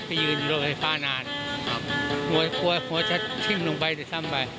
ไปยืนรถไฟฟ้านานครับครับหัวหัวหัวจะชิ้นลงไปหรือซ่ำไป